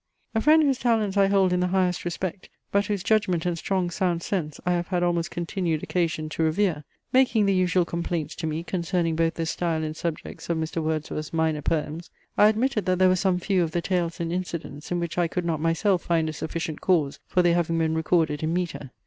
A friend whose talents I hold in the highest respect, but whose judgment and strong sound sense I have had almost continued occasion to revere, making the usual complaints to me concerning both the style and subjects of Mr. Wordsworth's minor poems; I admitted that there were some few of the tales and incidents, in which I could not myself find a sufficient cause for their having been recorded in metre.